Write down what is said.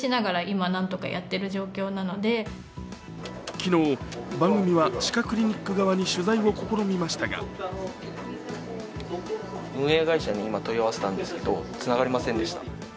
昨日番組は、歯科クリニック側に取材を試みましたが運営会社に今問い合わせたんですけれどつながりませんでした。